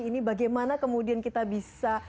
ini bagaimana kemudian kita bisa